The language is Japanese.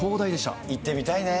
行ってみたいね。